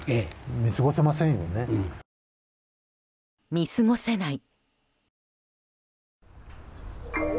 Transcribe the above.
見過ごせない。